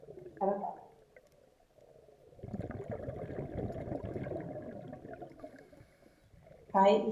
হায় ঈশ্বর, সাড়া দাও।